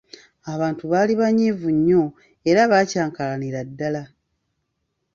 Abantu baali banyiivu nnyo era baakyankalanira ddala.